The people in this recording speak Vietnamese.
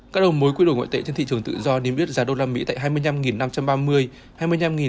các đồng mối quy đổi ngoại tệ trên thị trường tự do niêm yết giá đô la mỹ